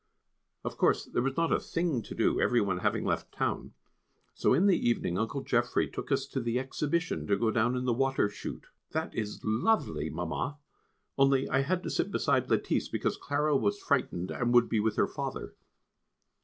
Of course there was not a thing to do, every one having left Town, so in the evening Uncle Geoffrey took us to the Exhibition to go down in the Water Shoot. That is lovely, Mamma, only I had to sit beside Lettice, because Clara was frightened and would be with her father.